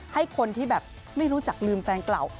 ให้คนที่แบบไม่รู้จักลืมแฟนเก่า